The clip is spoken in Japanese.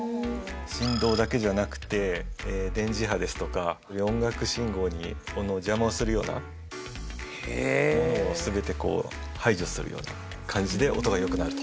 振動だけじゃなくて電磁波ですとか音楽信号の邪魔をするようなものを全て排除するような感じで音が良くなると。